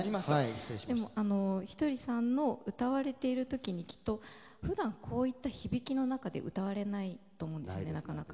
ひとりさんが歌われている時に普段こういった響きの中で歌われないと思うんですなかなか。